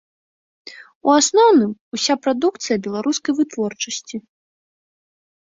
У асноўным уся прадукцыя беларускай вытворчасці.